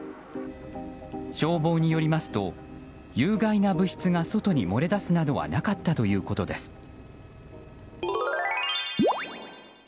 消防によりますと有害な物質が外に漏れ出すなどはなかったということです。